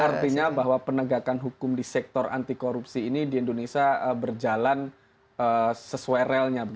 artinya bahwa penegakan hukum di sektor anti korupsi ini di indonesia berjalan sesuai relnya